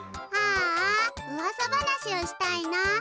ああうわさ話をしたいな。